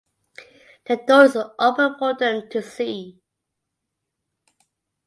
The door is open for them to see.